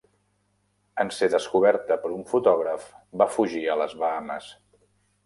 En ser descoberta per un fotògraf, va fugir a les Bahames.